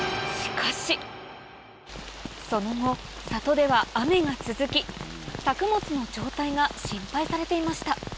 その後里では雨が続き作物の状態が心配されていました